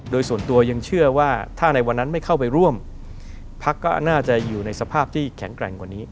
โดยส่วนตัวยังเชื่อว่าถ้าในวันนั้นไม่เข้าไปร่วมพักก็น่าจะอยู่ในสภาพที่แข็งแกร่งกว่านี้